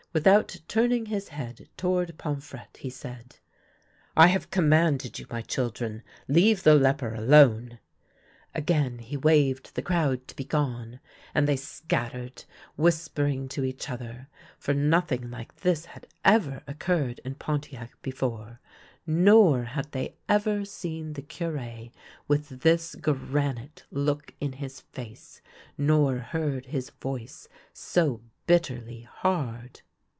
Without turning his head toward Pomfrette, he said :" I have commanded you, my children. Leave the leper alone." Again he waved the crowd to be gone, and they scat tered, whispering to each other; for nothing like this had ever occurred in Pontiac before, nor had they ever seen the Cure with this granite look in his face, nor heard his voice so bitterly hard.